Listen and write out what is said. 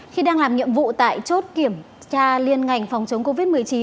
khi đang làm nhiệm vụ tại chốt kiểm tra liên ngành phòng chống covid một mươi chín